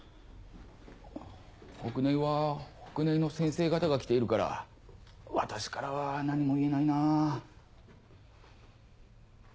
北根壊は北根壊の先生方が来ているから私からは何も言えないな。